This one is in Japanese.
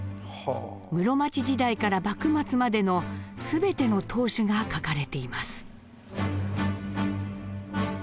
室町時代から幕末までの全ての当主が書かれています。